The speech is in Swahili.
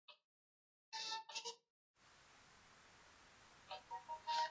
Labda tunaweza kuwauza.